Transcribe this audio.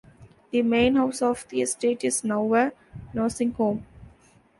The main house of the estate is now a nursing home.